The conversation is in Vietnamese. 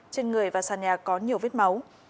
trên người và sàn nhà có nhiều vết máu